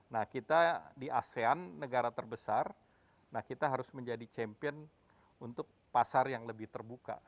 nah kita di asean negara terbesar nah kita harus menjadi champion untuk pasar yang lebih terbuka